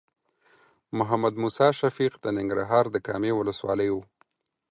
محمد موسی شفیق د ننګرهار د کامې ولسوالۍ و.